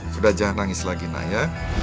sudah jangan nangis lagi naya